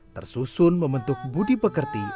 tersusun membentuk budi pekerti